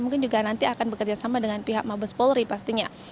mungkin juga nanti akan bekerjasama dengan pihak mabes polri pastinya